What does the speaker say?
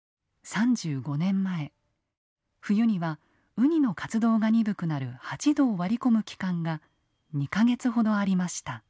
３５年前冬にはウニの活動が鈍くなる８℃を割り込む期間が２か月ほどありました。